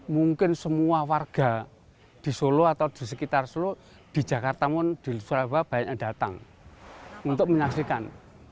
mungkin semua warga di solo atau di sekitar solo di jakarta pun di surabaya banyak yang datang untuk menyaksikan